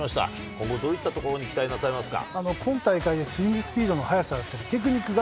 今後、どういったところに期待なさいますか。